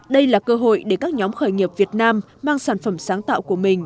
đây là cơ hội để các nhóm khởi nghiệp việt nam mang sản phẩm sáng tạo của mình